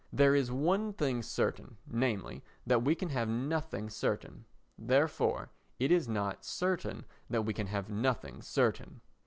There is one thing certain, namely, that we can have nothing certain; therefore it is not certain that we can have nothing certain.